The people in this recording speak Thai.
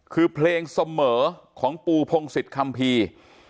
คือเพลงเสมอของปูพงศิษย์คัมภีร์